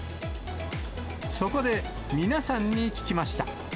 そこで皆さんに聞きました。